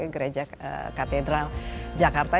gereja katedral jakarta